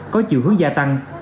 có chiều hướng gia tăng